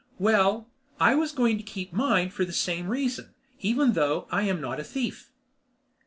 Well, I was going to keep mine for the same reason, even though I am not a thief.